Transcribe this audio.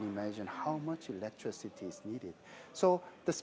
berapa banyak elektrik yang diperlukan